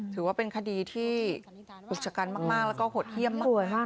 ถือว่าเป็นคดีที่ปกติกรุกฐการณ์มากแล้วก็หดเยี่ยมมาก